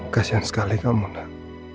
kasian sekali kamu nak